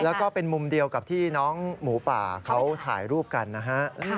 แล้วก็เป็นมุมเดียวกับที่น้องหมูป่าเขาถ่ายรูปกันนะฮะ